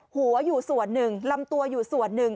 หัวอยู่ส่วนหนึ่งลำตัวอยู่ส่วนหนึ่ง